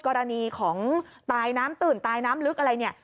กรณีของตายน้ำตื่นตายน้ำลึกอะไรเนี่ย